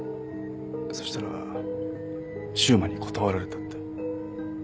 そしたら柊磨に断られたって。